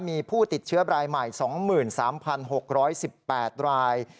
มีผู้ติดเชื้อรายใหม่๒๓๖๑๘ราย